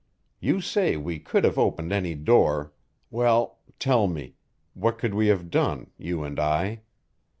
You say we could have opened any door well, tell me, what could we have done, you and I?"